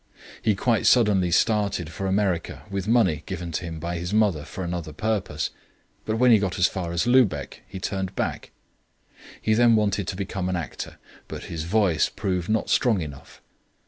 He quite suddenly started for America with money given to him by his mother for another purpose, but when he got as far as Lubeck he turned back. He then wanted to become an actor, but his voice proved not strong enough.